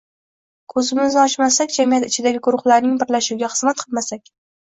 ko‘zimizni ochmasak, jamiyat ichidagi guruhlarning birlashuviga xizmat qilmasak